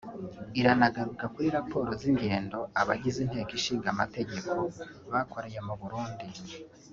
Iranagaruka kuri raporo z’ingendo abagize Inteko zishinga Amategeko bakoreye mu Burundi